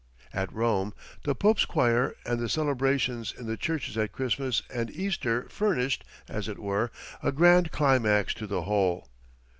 At Rome the Pope's choir and the celebrations in the churches at Christmas and Easter furnished, as it were, a grand climax to the whole.